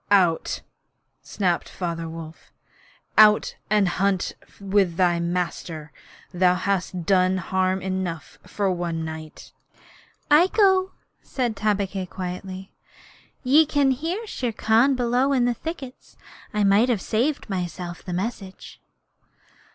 'Out!' snapped Father Wolf. 'Out and hunt with thy master. Thou hast done harm enough for one night.' 'I go,' said Tabaqui, quietly. 'Ye can hear Shere Khan below in the thickets. I might have saved myself the message.'